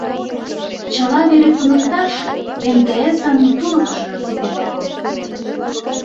Чыла вере туныкташ МТС-ын туныктышыжо ситен огыл.